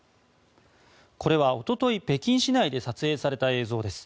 これはおととい北京市内で撮影された映像です。